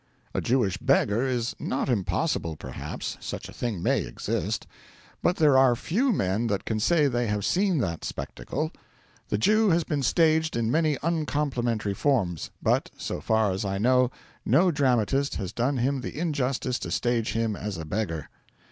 A Jewish beggar is not impossible, perhaps; such a thing may exist, but there are few men that can say they have seen that spectacle. The Jew has been staged in many uncomplimentary forms, but, so far as I know, no dramatist has done him the injustice to stage him as a beggar.